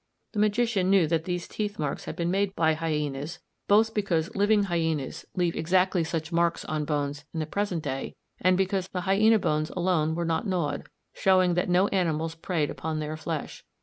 The magician knew that these teeth marks had been made by hyænas, both because living hyænas leave exactly such marks on bones in the present day, and because the hyæna bones alone were not gnawed, showing that no animals preyed upon their flesh.